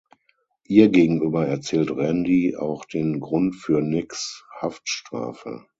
Ihr gegenüber erzählt Randy auch den Grund für Nicks Haftstrafe.